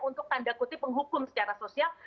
untuk tanda kutip menghukum secara sosial